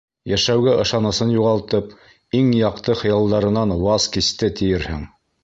Йәшәүгә ышанысын юғалтып, иң яҡты хыялдарынан ваз кисте тиерһең.